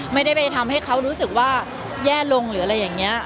ไม่ได้ไปทำให้เขารู้สึกว่าแย่ลงหรืออะไรอย่างนี้